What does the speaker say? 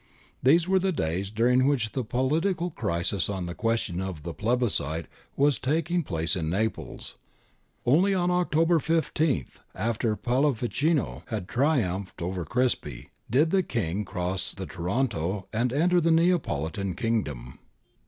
These were the days during which the politi cal crisis on the question of the plebiscite was taking place in Naples. Only on October 15, after Pallavicino had triumphed over Crispi, did the King cross the Tronto and enter the Neapolitan Kingdom.